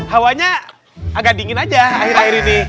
hawanya agak dingin aja akhir akhir ini